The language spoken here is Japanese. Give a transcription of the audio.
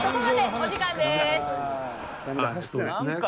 お時間です。